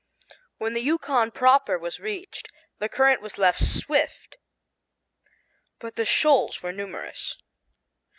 When the Yukon proper was reached, the current was less swift, but the shoals were numerous.